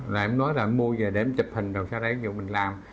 rồi em nói là em mua về để em chụp hình rồi sau đấy dù mình làm